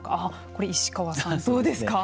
これ石川さん、どうですか。